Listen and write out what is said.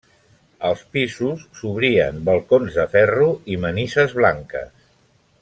Als pisos s'obrien balcons de ferro i manises blanques.